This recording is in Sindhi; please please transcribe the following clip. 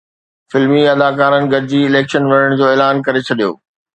فلمي اداڪارن گڏجي اليڪشن وڙهڻ جو اعلان ڪري ڇڏيو